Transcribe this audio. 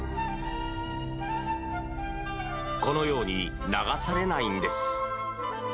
このように流されないんです。